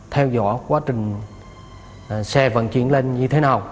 theo dõi quá trình xe vận chuyển lên như thế nào